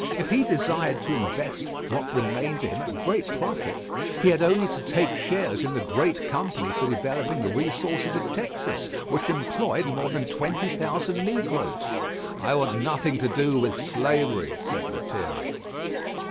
If he desired to invest what remained to him at great profit, he had only to take shares in the great company for developing the resources of Texas, which employed more than twenty thousand negroes. "I want nothing to do with slavery," said Lethierry.